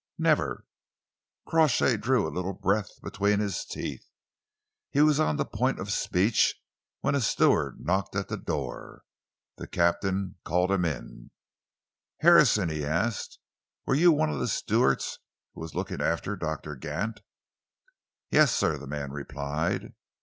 "Never." Crawshay drew a little breath between his teeth. He was on the point of speech when a steward knocked at the door. The captain called him in. "Harrison," he asked, "were you one of the stewards who was looking after Doctor Gant?" "Yes, sir," the man replied.